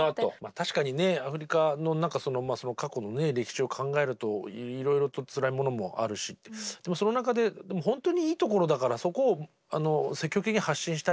確かにアフリカの過去の歴史を考えるといろいろとつらいものもあるしでもその中で本当にいいところだからそこを積極的に発信したいっていうね